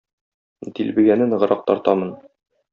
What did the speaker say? Дилбегәне ныграк тартамын.